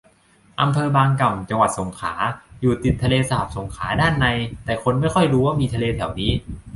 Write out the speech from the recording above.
อำเภอบางกล่ำ จังหวัดสงขลา อยู่ติดทะเลสาบสงขลาด้านใน แต่คนไม่ค่อยรู้ว่ามีทะเลแถวนี้